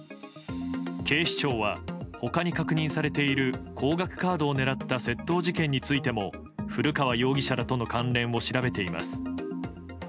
警視庁は、他に確認されている高額カードを狙った窃盗事件についても古川容疑者らとの関連を調べています。